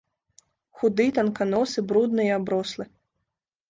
Худы, танканосы, брудны і аброслы.